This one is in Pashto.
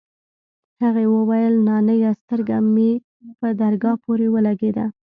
هغې وويل نانيه سترگه مې په درگاه پورې ولگېده.